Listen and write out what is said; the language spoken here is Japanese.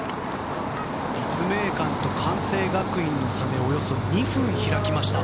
立命館と関西学院の差およそ２分開きました。